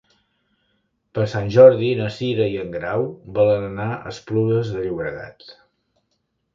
Per Sant Jordi na Cira i en Grau volen anar a Esplugues de Llobregat.